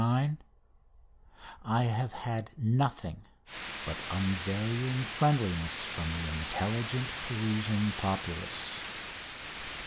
9" I have had nothing but unvarying friendliness from the intelligent Parisian populace.